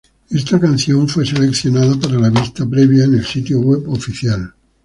Esta canción fue seleccionada para la vista previa en el sitio web oficial.